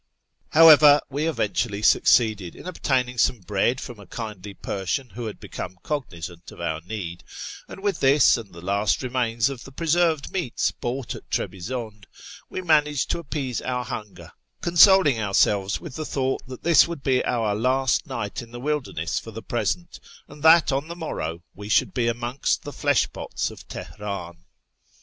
However, we eventually succeeded FROM TABRfZ TO TEHERAN 8i iu obtaining some bread from a kindly Persian who had become cognisant of our need, and with this, and the last remains of the preserved meats bought at Trebizonde, we managed to appease our hunger, consoling ourselves with the thought that this would be our last night in the wilderness for the present, and that on the morrow we should be amongst the fleshpots of Teheran.